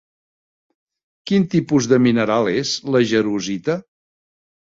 Quin tipus de mineral és la jarosita?